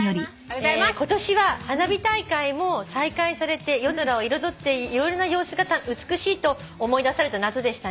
「今年は花火大会も再開されて夜空を彩って色々な様子が美しいと思い出された夏でしたね」